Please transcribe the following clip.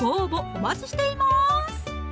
お待ちしています